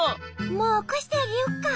もうおこしてあげよっか？